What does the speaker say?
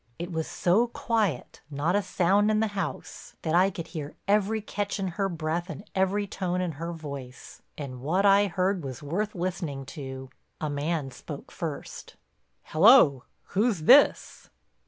It was so quiet, not a sound in the house, that I could hear every catch in her breath and every tone in her voice. And what I heard was worth listening to. A man spoke first: "Hello, who's this?"